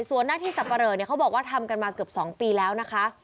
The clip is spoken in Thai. ส่วนหน้าที่สับปะเหลอเขาบอกว่าทำกันมาเกือบ๒ปีแล้วนะคะ